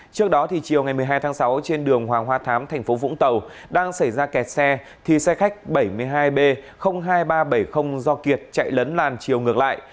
trước đó chiều ngày một mươi hai tháng sáu trên đường hoàng hoa thám thành phố vũng tàu đang xảy ra kẹt xe thì xe khách bảy mươi hai b hai nghìn ba trăm bảy mươi do kiệt chạy lấn làn chiều ngược lại